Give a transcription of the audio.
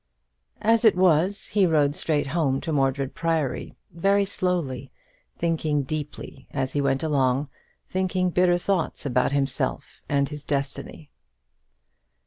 As it was, he rode straight home to Mordred Priory, very slowly, thinking deeply as he went along; thinking bitter thoughts about himself and his destiny.